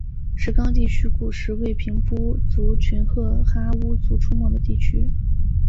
石冈地区古时为平埔族群噶哈巫族出没的地区。